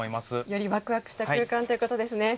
よりわくわくした空間ということですね。